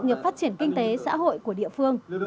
nghiệp phát triển kinh tế xã hội của địa phương